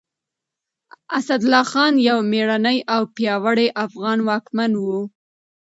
اسدالله خان يو مېړنی او پياوړی افغان واکمن و.